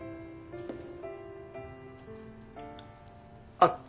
あっ。